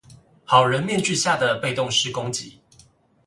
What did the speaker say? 好人面具下的被動式攻擊